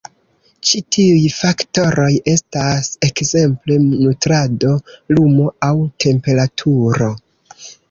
Ĉi-tiuj faktoroj estas ekzemple nutrado, lumo aŭ temperaturo.